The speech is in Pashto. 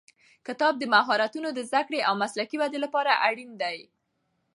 کتاب د مهارتونو د زده کړې او مسلکي ودې لپاره اړین دی.